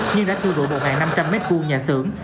nhưng đã thua độ một năm trăm linh m hai nhà xưởng